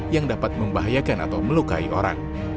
yang dapat membahayakan atau melukai orang